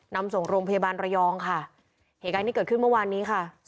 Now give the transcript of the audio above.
นำส่งโรงพยาบาลระยองค่ะเหตุการณ์ที่เกิดขึ้นเมื่อวานนี้ค่ะ